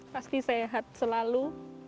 pasti sehat selalu